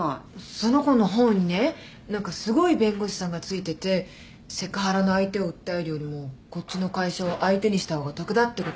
その子の方にね何かすごい弁護士さんが付いててセクハラの相手を訴えるよりもこっちの会社を相手にした方が得だってことらしい。